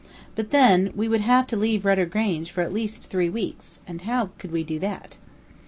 But then we would have to leave Rudder Grange for at least three weeks, and how could we do that?